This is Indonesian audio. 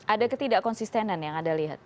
ada ketidak konsistenan yang anda lihat